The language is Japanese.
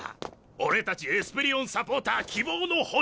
俺たちエスペリオンサポーター希望の星！